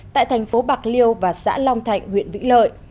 tại thành phố bạc liêu và xã long thạnh huyện vĩnh lợi